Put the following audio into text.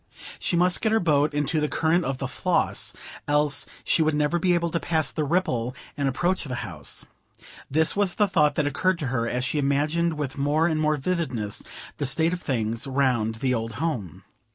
She must get her boat into the current of the Floss, else she would never be able to pass the Ripple and approach the house; this was the thought that occurred to her, as she imagined with more and more vividness the state of things round the old home.